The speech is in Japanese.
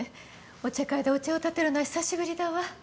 お茶会でお茶をたてるのは久しぶりだわ。